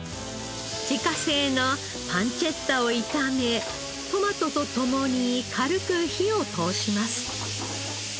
自家製のパンチェッタを炒めトマトと共に軽く火を通します。